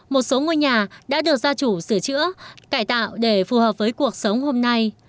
một số ngôi nhà đã được gia chủ sửa chữa cải tạo để phù hợp với cuộc sống hôm nay